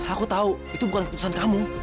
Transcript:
aku tahu itu bukan keputusan kamu